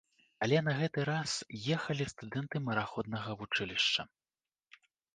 Але на гэты раз ехалі студэнты мараходнага вучылішча.